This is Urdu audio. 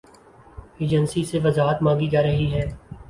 یجنسی سے وضاحت مانگی جا رہی ہے۔